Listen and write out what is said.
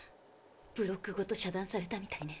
ブロックごと遮断されたみたいね。